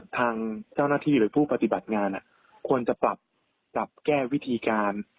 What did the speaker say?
ทางเจ้าหน้าที่หรือผู้ปฏิบัติงานควรจะปรับแก้วิธีการ